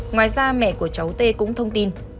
ngoài ra mẹ của cháu t cũng thông tin